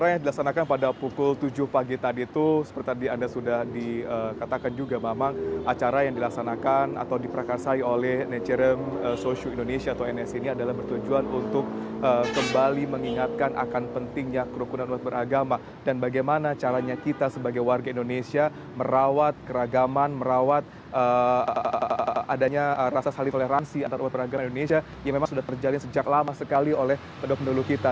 atau hanya karena adanya rasa toleransi antara umat beragama indonesia yang memang sudah terjalin sejak lama sekali oleh penduduk penduduk kita